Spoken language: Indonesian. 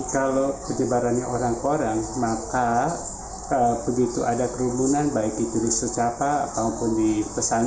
kalau kecebarannya orang orang maka begitu ada kerumunan baik itu disetrapa ataupun dipesan